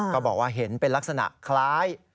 ก็บอกว่าเห็นเป็นลักษณะคล้าย